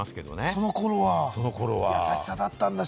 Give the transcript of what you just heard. その頃は優しさだったんですね。